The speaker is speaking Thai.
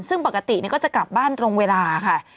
ซึ่งปกติก็จะกลับบ้านตรงเวลาค่ะ